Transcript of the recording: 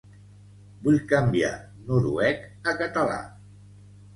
Vull canviar noruec a català.